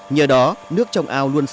nhờ đó nước trong ao luôn sống